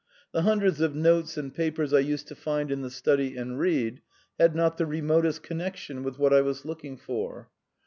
The hundreds of notes and papers I used to find in the study and read had not the remotest connection with what I was looking for.